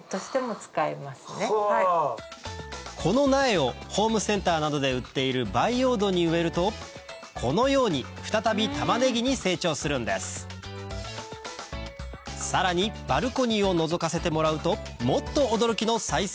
この苗をホームセンターなどで売っている培養土に植えるとこのように再びタマネギに成長するんですさらにバルコニーをのぞかせてもらうともっと驚きの再生